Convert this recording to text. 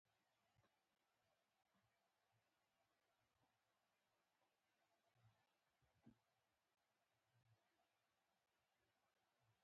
رسول الله ﷺ پالنه دهغه تره ابو طالب وکړه.